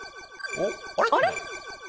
あれ？